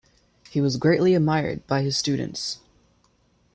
He was greatly admired by his students.